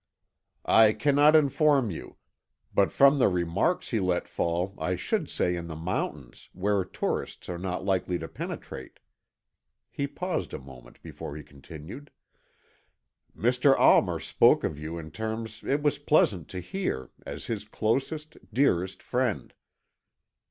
"I cannot inform you, but from the remarks he let fall, I should say in the mountains, where tourists are not likely to penetrate." He paused a moment before he continued: "Mr. Almer spoke of you, in terms it was pleasant to hear, as his closest, dearest friend."